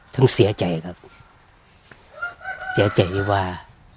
ทั้งเสียใจครับเสียใจว่า